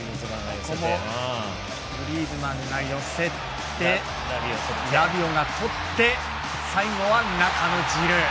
グリーズマンが寄せてラビオがとって最後は中のジルー。